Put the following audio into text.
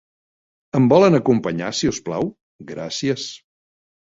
Em volen acompanyar, si us plau? Gràcies.